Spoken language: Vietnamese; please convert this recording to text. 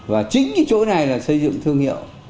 và chính cái chỗ này là xây dựng thương hiệu